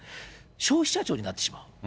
消費者庁になってしまう。